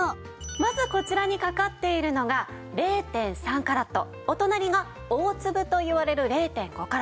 まずこちらにかかっているのが０．３カラットお隣が大粒といわれる０．５カラット。